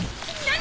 何！？